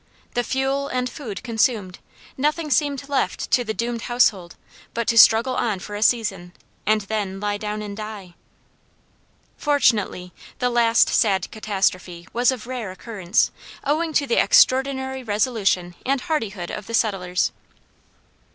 The fuel and food consumed, nothing seemed left to the doomed household but to struggle on for a season, and then lie down and die. Fortunately the last sad catastrophe was of rare occurrence, owing to the extraordinary resolution and hardihood of the settlers.